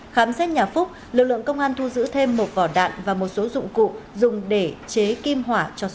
khám xét nhà phúc lực lượng công an thu giữ thêm một vỏ đạn và một số dụng cụ dùng để chế kim hỏa cho súng